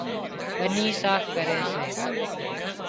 ٻني صاف ڪري سي